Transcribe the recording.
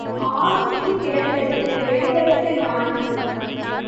ஆசை பிறந்தது எழுபத்து நான்கு.